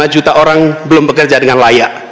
empat puluh lima juta orang belum bekerja dengan layak